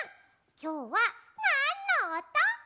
きょうはなんのおと？